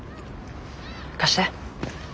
貸して。